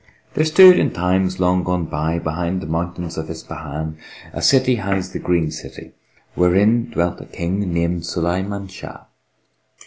There stood in times long gone by behind the Mountains of Ispahán, a city hight the Green City, wherein dwelt a King named Suláyman Sháh.